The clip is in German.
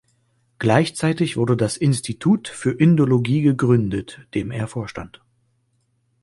Gleichzeitig wurde das „Institut für Indologie“ gegründet, dem er vorstand.